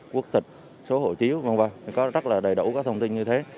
quốc tịch số hộ chiếu v v có rất là đầy đủ các thông tin như thế